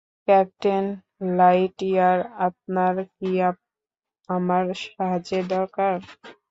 Captain Lightyear, আপনার কি আমার সাহায্যের দরকার?